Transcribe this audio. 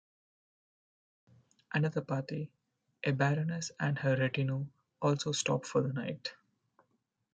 Another party, a baroness and her retinue also stop for the night.